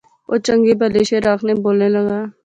او چنگے بھلے شعر آخنے بولنا لاغا